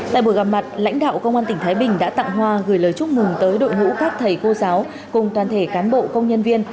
tại buổi gặp mặt lãnh đạo công an tỉnh thái bình đã tặng hoa gửi lời chúc mừng tới đội ngũ các thầy cô giáo cùng toàn thể cán bộ công nhân viên